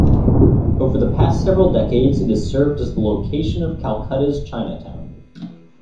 Over the past several decades, it has served as the location of Calcutta's Chinatown.